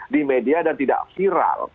di media dan tidak viral